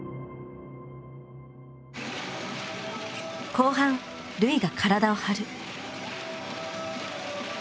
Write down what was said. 後半瑠唯が体を張る。